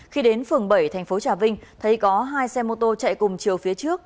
khi đến phường bảy tp trà vinh thấy có hai xe mô tô chạy cùng chiều phía trước